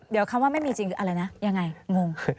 เดี๋ยวคำว่าไม่มีจริงหรืออะไรนะยังไงงง